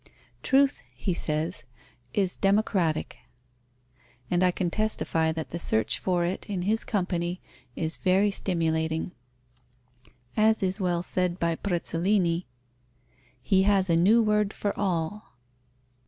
"Truth," he says, "is democratic," and I can testify that the search for it, in his company, is very stimulating. As is well said by Prezzolini, "He has a new word for all."